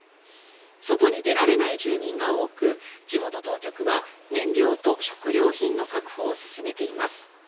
外に出られない住民が多く地元当局は燃料と食料品の確保を進めています。